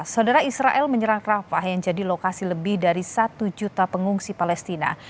saudara israel menyerang rafah yang jadi lokasi lebih dari satu juta pengungsi palestina